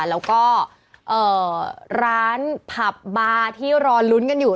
แล้วก็ร้านผับบาร์ที่รอลุ้นกันอยู่